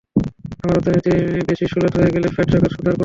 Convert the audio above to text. আবার অর্থনীতি বেশি শ্লথ হয়ে গেলে ফেড তখন সুদহার কমিয়ে দেয়।